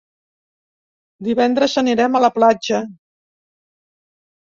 Divendres anirem a la platja.